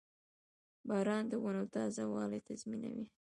• باران د ونو تازهوالی تضمینوي.